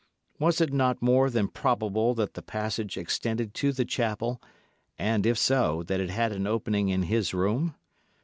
Was it not more than probable that the passage extended to the chapel, and, if so, that it had an opening in his room?